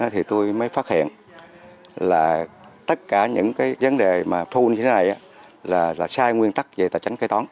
thì tôi mới phát hiện là tất cả những vấn đề thun như thế này là sai nguyên tắc về tài tránh kế toán